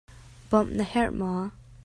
Bawmh na herh maw?